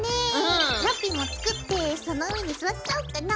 ラッピィも作ってその上に座っちゃおうかな。